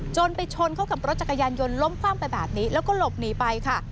ไปชนเข้ากับรถจักรยานยนต์ล้มคว่ำไปแบบนี้แล้วก็หลบหนีไปค่ะ